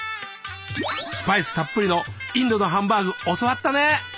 スパイスたっぷりのインドのハンバーグ教わったね。